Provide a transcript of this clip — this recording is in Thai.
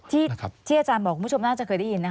ที่อาจารย์บอกคุณผู้ชมน่าจะเคยได้ยินนะคะ